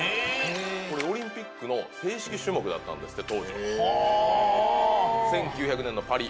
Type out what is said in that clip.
オリンピックの正式種目だったんですって。